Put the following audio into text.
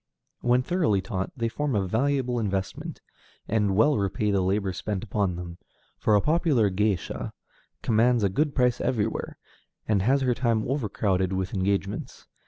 When thoroughly taught, they form a valuable investment, and well repay the labor spent upon them, for a popular géisha commands a good price everywhere, and has her time overcrowded with engagements.